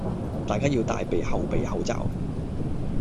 大家要帶備後備口罩